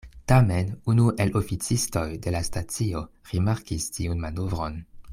Tamen unu el oficistoj de la stacio rimarkis tiun manovron.